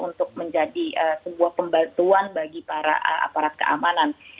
untuk menjadi sebuah pembantuan bagi para aparat keamanan